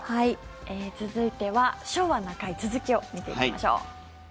続いては「昭和な会」続きを見ていきましょう。